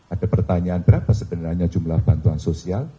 ada pertanyaan berapa sebenarnya jumlah bantuan sosial